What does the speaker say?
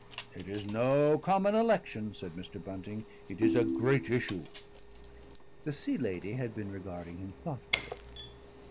"It is no common election," said Mr. Bunting. "It is a great issue." The Sea Lady had been regarding him thoughtfully.